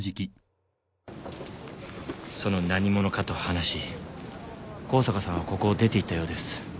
その何者かと話し香坂さんはここを出ていったようです。